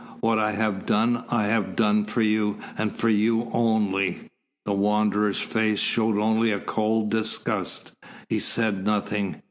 What I have done, I have done for you, and for you only." The Wanderer's face showed only a cold disgust. He said nothing.